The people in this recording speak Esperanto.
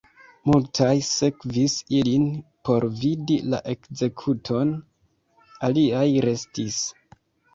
Multaj sekvis ilin por vidi la ekzekuton, aliaj restis.